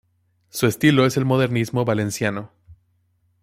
Su estilo es el modernismo valenciano.